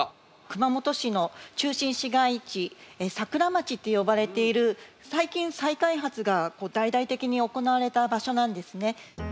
熊本市の中心市街地桜町って呼ばれている最近再開発が大々的に行われた場所なんですね。